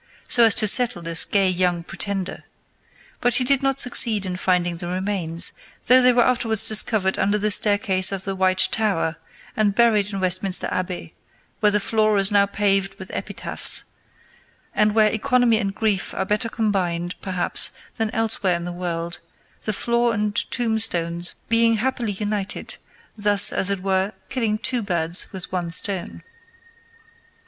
so as to settle this gay young pretender; but he did not succeed in finding the remains, though they were afterwards discovered under the staircase of the White Tower, and buried in Westminster Abbey, where the floor is now paved with epitaphs, and where economy and grief are better combined, perhaps, than elsewhere in the world, the floor and tombstone being happily united, thus, as it were, killing two birds with one stone.